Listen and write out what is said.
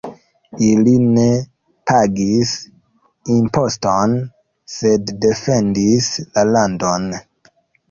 Ili ne pagis imposton, sed defendis la landon.